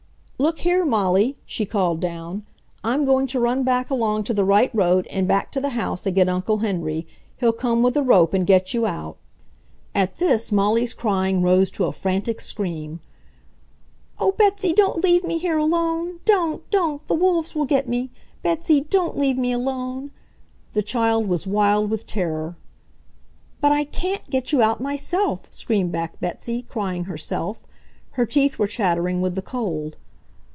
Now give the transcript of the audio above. "Look here, Molly," she called down, "I'm going to run back along to the right road and back to the house and get Uncle Henry. He'll come with a rope and get you out!" At this Molly's crying rose to a frantic scream. "Oh, Betsy, don't leave me here alone! Don't! Don't! The wolves will get me! Betsy, DON'T leave me alone!" The child was wild with terror. "But I CAN'T get you out myself!" screamed back Betsy, crying herself. Her teeth were chattering with the cold.